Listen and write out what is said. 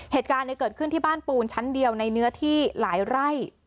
เหตุการณ์เกิดขึ้นที่บ้านปูนชั้นเดียวในเนื้อที่หลายไร่